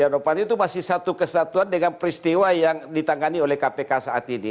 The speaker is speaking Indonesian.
setia novanto itu masih satu kesatuan dengan peristiwa yang ditangani oleh kpk saat ini